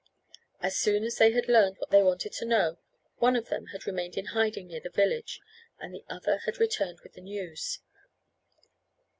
As soon as they had learned what they wanted to know, one of them had remained in hiding near the village, and the other had returned with the news.